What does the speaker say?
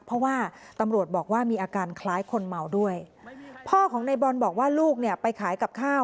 เพราะว่าตำรวจบอกว่ามีอาการคล้ายคนเมาด้วยพ่อของในบอลบอกว่าลูกเนี่ยไปขายกับข้าว